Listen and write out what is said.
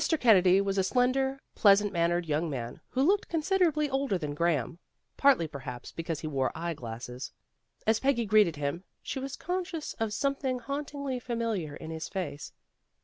Kennedy was a slender, pleasant mannered young man, who looked considerably older than Graham, partly perhaps, because he wore eye glasses. As Peggy greeted him, she was conscious of something hauntingly familiar in his face.